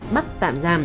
bắt tạm giảm